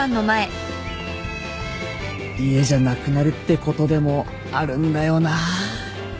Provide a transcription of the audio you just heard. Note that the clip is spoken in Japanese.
家じゃなくなるってことでもあるんだよな。